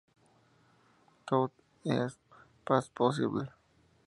Tout n'est pas possible!